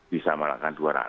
bisa mengenakan dua ratus